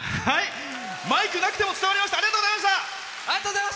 マイクなくても伝わりました。